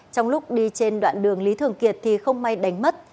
trong lúc đi trên đoạn đường lý thường kiệt thì không may đánh mất